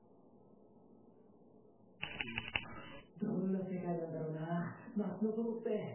どんな世界なんだろうな町の外って。